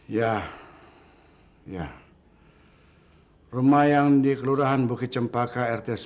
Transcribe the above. ya ya rumah yang di kelurahan bukit cempaka rt sepuluh rs sembilan